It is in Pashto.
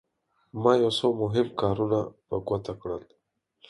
ما یو څو مهم کارونه په ګوته کړل.